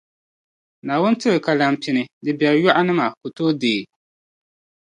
Naawuni tiri kalana pini di biɛri yɔɣunima ku tooi deei.